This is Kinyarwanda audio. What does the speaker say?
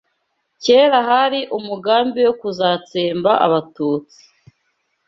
kera hari umugambi wo kuzatsemba abatutsi